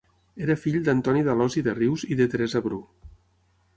Era fill d'Antoni d'Alòs i de Rius i de Teresa Bru.